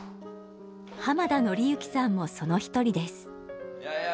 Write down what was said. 浜田統之さんもその一人です。